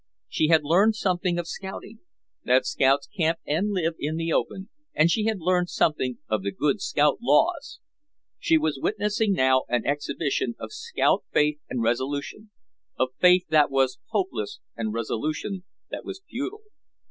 She had learned something of scouting, that scouts camp and live in the open, and she had learned something of the good scout laws. She was witnessing now an exhibition of scout faith and resolution, of faith that was hopeless and resolution that was futile.